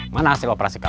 mana hasil operasi kamu